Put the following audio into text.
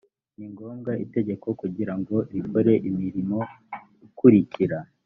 ni ngombwa itegeko kugira ngo bikore imirimo ikurikira